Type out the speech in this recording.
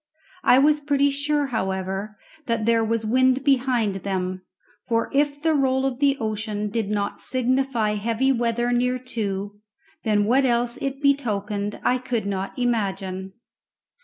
I was pretty sure, however, that there was wind behind them, for if the roll of the ocean did not signify heavy weather near to, then what else it betokened I could not imagine.